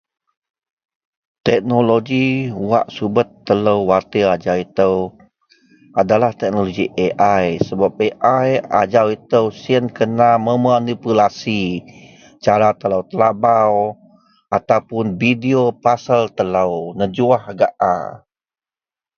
Teknoloji wak subet telo watir ajau ito adalah teknoloji AI sebab AI ajau ito siyen kena memanipulasi cara telo telabau ataupoun video pasel telo nejuwah gak a.